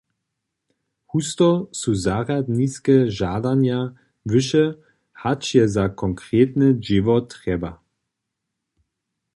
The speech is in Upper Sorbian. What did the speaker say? Husto su zarjadniske žadanja wyše, hač je za konkretne dźěło trjeba.